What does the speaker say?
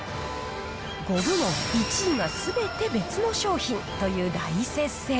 ５部門、１位はすべて別の商品という大接戦。